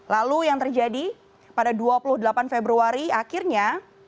lalu yang terjadi pada dua puluh delapan februari akhirnya